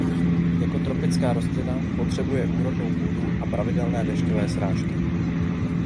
Jako tropická rostlina potřebuje úrodnou půdu a pravidelné dešťové srážky.